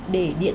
để điện táng